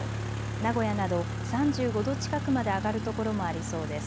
名古屋など３５度近くまで上がる所もありそうです。